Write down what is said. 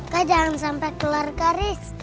kak jangan sampai keluar garis